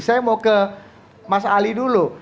saya mau ke mas ali dulu